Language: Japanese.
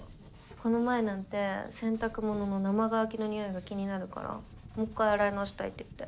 この前なんて洗濯物の生乾きのにおいが気になるからもう一回洗い直したいって言って。